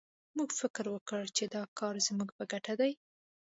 موږ فکر وکړ چې دا کار زموږ په ګټه دی